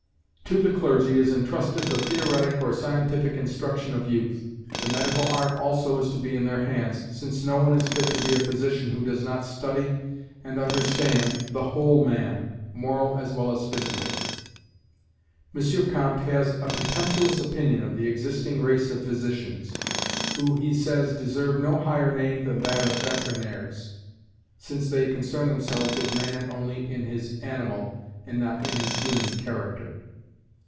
To the clergy is entrusted the theoretic or scientific instruction of youth. The medical art also is to be in their hands, since no one is fit to be a physician who does not study and understand the whole man, moral as well as physical. M. Comte has a contemptuous opinion of the existing race of physicians, who, he says, deserve no higher name than that of veterinaires, since they concern themselves with man only in his animal, and not in his human character.